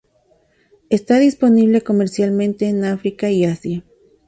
Está disponible comercialmente en África y Asia.